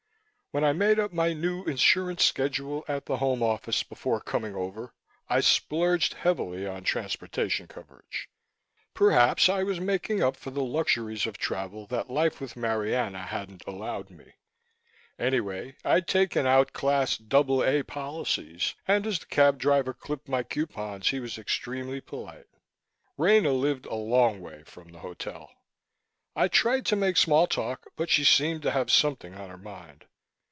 When I made up my new insurance schedule at the Home Office before coming over, I splurged heavily on transportation coverage. Perhaps I was making up for the luxuries of travel that life with Marianna hadn't allowed me. Anyway, I'd taken out Class AA policies. And as the cab driver clipped my coupons he was extremely polite. Rena lived a long way from the hotel. I tried to make small talk, but she seemed to have something on her mind.